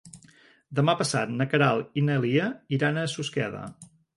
Demà passat na Queralt i na Lia iran a Susqueda.